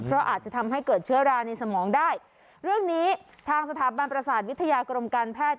เพราะอาจจะทำให้เกิดเชื้อราในสมองได้เรื่องนี้ทางสถาบันประสาทวิทยากรมการแพทย์